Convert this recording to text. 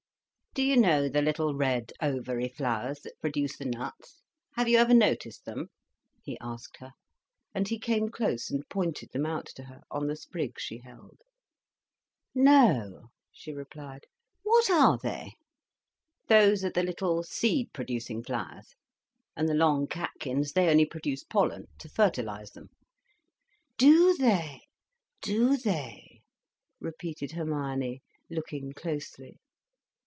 "Do you know the little red ovary flowers, that produce the nuts? Have you ever noticed them?" he asked her. And he came close and pointed them out to her, on the sprig she held. "No," she replied. "What are they?" "Those are the little seed producing flowers, and the long catkins, they only produce pollen, to fertilise them." "Do they, do they!" repeated Hermione, looking closely.